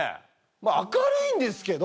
まぁ明るいんですけど。